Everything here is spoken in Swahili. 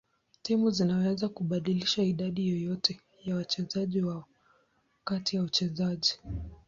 Timu zinaweza kubadilisha idadi yoyote ya wachezaji wao kati ya uchezaji.